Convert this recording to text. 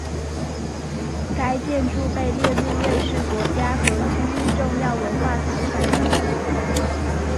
该建筑被列入瑞士国家和区域重要文化财产名录。